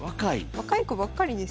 若い子ばっかりです。